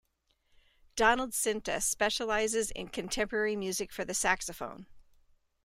Donald Sinta specializes in contemporary music for the saxophone.